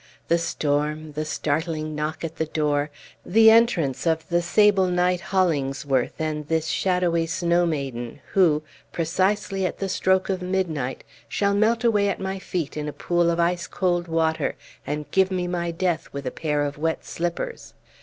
The storm, the startling knock at the door, the entrance of the sable knight Hollingsworth and this shadowy snow maiden, who, precisely at the stroke of midnight, shall melt away at my feet in a pool of ice cold water and give me my death with a pair of wet slippers!